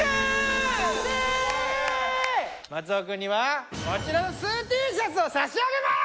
松尾くんにはこちらのスーＴシャツを差し上げます！